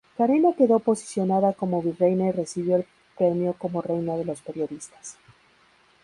Karina quedó posicionada como virreina y recibió el premio como "Reina de los Periodistas".